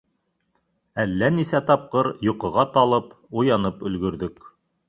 Әллә нисә тапҡыр йоҡоға талып, уянып өлгөрҙөк.